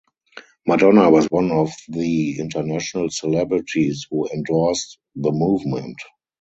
Madonna was one of the international celebrities who endorsed the movement.